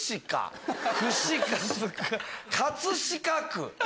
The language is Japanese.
「かつしかく」？